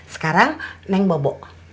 sekarang neng bobok ya